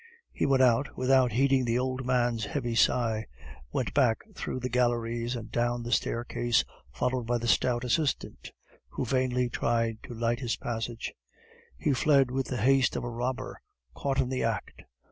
He went out without heeding the old man's heavy sigh, went back through the galleries and down the staircase, followed by the stout assistant who vainly tried to light his passage; he fled with the haste of a robber caught in the act.